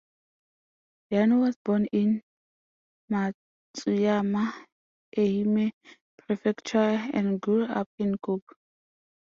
Yano was born in Matsuyama, Ehime Prefecture and grew up in Kobe.